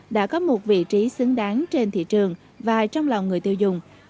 đã có một vị trí xứng đáng trên thị trường và trong lòng người tiêu dùng